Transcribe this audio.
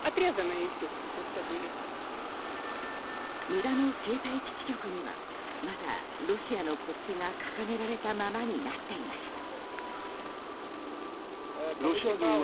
村の携帯基地局にはまだロシアの国旗が掲げられたままになっていました。